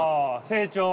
成長。